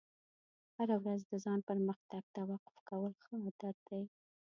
هره ورځ د ځان پرمختګ ته وقف کول ښه عادت دی.